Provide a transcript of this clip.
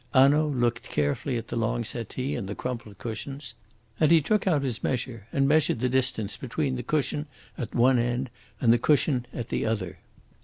Hanaud looked carefully at the long settee and the crumpled cushions, and he took out his measure and measured the distance between the cushion at one end and the cushion at the other.